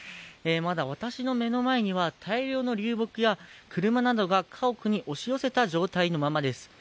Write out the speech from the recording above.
まだ私の目の前には大量の流木や、車などが家屋に押し寄せた状態のままです。